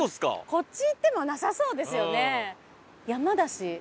こっち行ってもなさそうですよね。